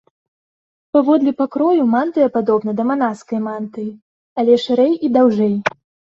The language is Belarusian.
Паводле пакрою, мантыя падобна да манаскай мантыі, але шырэй і даўжэй.